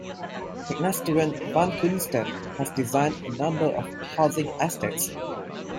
Tegnestuen Vandkunsten has designed a number of housing estates.